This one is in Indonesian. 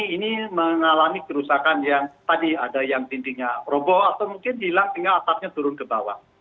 ini mengalami kerusakan yang tadi ada yang dindingnya robo atau mungkin hilang sehingga asapnya turun ke bawah